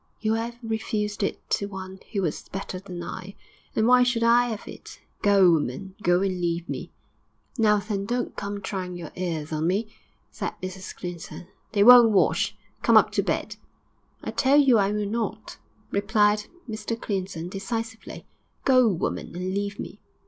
You 'ave refused it to one who was better than I; and why should I 'ave it? Go, woman; go and leave me.' 'Now, then, don't come trying your airs on me,' said Mrs Clinton. 'They won't wash. Come up to bed.' 'I tell you I will not,' replied Mr Clinton, decisively. 'Go, woman, and leave me!'